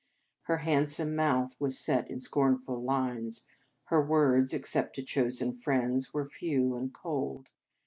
Her handsome mouth was set in scornful lines; her words, except to chosen friends, were few and cold.